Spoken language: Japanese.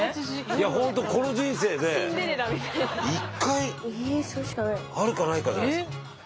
いやほんとこの人生で１回あるかないかじゃないですか。